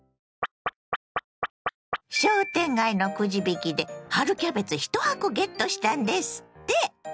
商店街のくじ引きで春キャベツ１箱ゲットしたんですって！